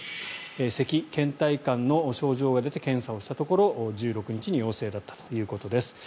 せき、けん怠感の症状が出て検査をしたところ１６日に陽性だったということです。